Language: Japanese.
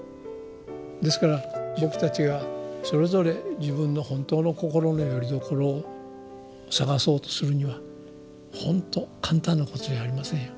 ですから僕たちがそれぞれ自分の本当の心のよりどころを探そうとするには本当簡単なことじゃありませんよ。